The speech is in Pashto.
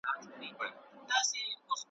د ژلۍ په دود سرونه تویېدله ,